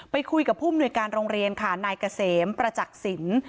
ไปคุยกับผู้มนุยการโรงเรียนค่ะนายเกษมประจักษิณ